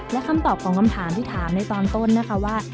และคำตอบของคำถามที่ถามในตอนต้นนะคะว่า